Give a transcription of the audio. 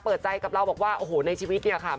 เปิดใจกับเราบอกว่าโอ้โหในชีวิตเนี่ยค่ะ